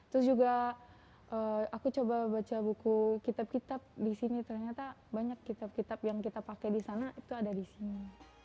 terus juga aku coba baca buku kitab kitab disini ternyata banyak kitab kitab yang kita pakai disana itu ada disini